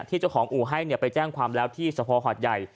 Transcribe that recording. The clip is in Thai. เจ้าของอู่ให้ไปแจ้งความแล้วที่สภหัดใหญ่